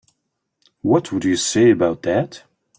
What would you say about that?